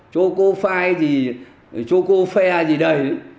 choco fai gì choco fea gì đấy